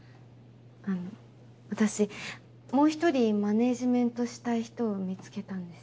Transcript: あの私もう１人マネージメントしたい人を見つけたんです。